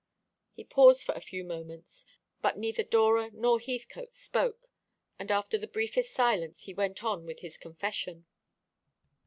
He paused for a few moments, but neither Dora nor Heathcote spoke, and after the briefest silence he went on with his confession.